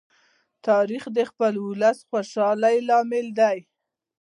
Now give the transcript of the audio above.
تاریخ د خپل ولس د خوشالۍ لامل دی.